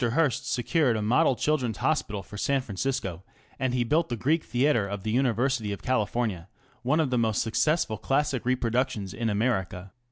Hearst secured a model Children's Hospital for San Francisco, and he built the Greek Theatre of the University of California ŌĆö one of the most successful classic reproductions in America.